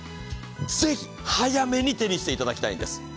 ぜひ早めに手にしていただきたいんです。